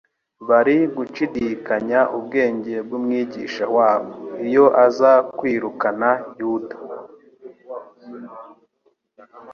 Bari gnshidikanya ubwenge bw'Umwigisha-wabo iyo aza kwirukana Yuda.